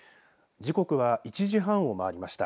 時刻は１時半を回りました。